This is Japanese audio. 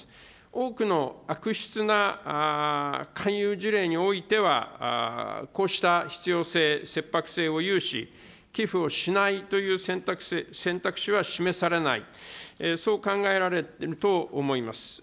多くの悪質な勧誘事例においては、こうした必要性、切迫性を有し、寄付をしないという選択肢は示されない、そう考えられてると思います。